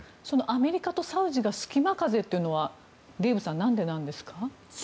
アメリカとサウジが隙間風というのはデーブさん、なんでなんですか？